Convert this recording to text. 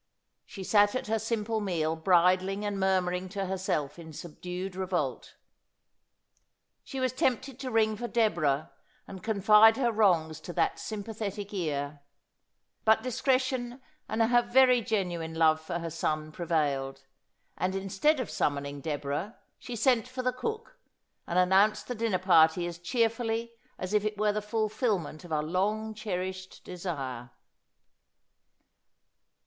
She sat at her simple meal bridling and murmuring to herself in subdued revolt. She was tempted to ring for Deborah and confide her wrongs to that sympathetic ear ; but discretion and her very genuine love for her son prevailed ; and instead of summoning Deborah, she sent for the cook, and announced the dinner party as cheerfully as if it were the fulfilment of a long cherished desire.